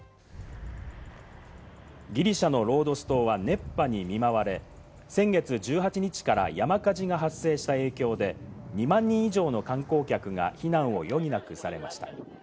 ギリシャのロードス島は熱波に見舞われ、先月１８日から山火事が発生した影響で２万人以上の観光客が避難を余儀なくされました。